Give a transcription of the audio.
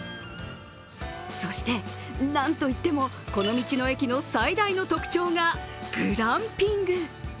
そして、何といってもこの道の駅の最大の特徴がグランピング。